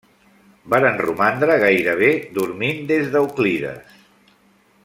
Varen romandre gairebé dormint des d'Euclides.